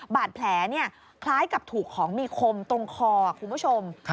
บาดแผลคล้ายกับถูกของมีคมตรงคอคุณผู้ชม